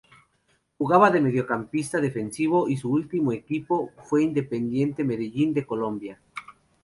Jugaba de mediocampista defensivo y su último equipo fue Independiente Medellín de Colombia.